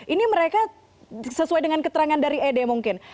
ini mereka sesuai dengan keterangan dari ed mungkin